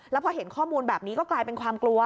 แล้วพอเห็นข้อมูลแบบนี้ก็กลายเป็นความกลัว